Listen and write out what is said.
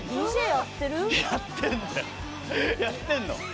やってるの。